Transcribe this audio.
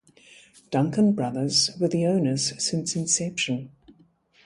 Duncan Brothers were the owners since inception.